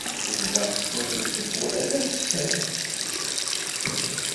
Tezdeɣ snat n tewwura d akessar.